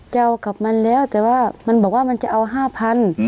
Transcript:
จะเอากับมันแล้วแต่ว่ามันบอกว่ามันจะเอา๕๐๐บาท